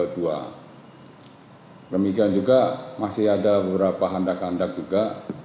demikian juga masih ada beberapa handak handak juga